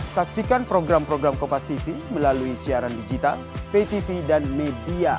saksikan program program kopas tv melalui siaran digital pay tv dan media